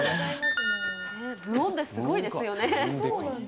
無音ですごいですよね。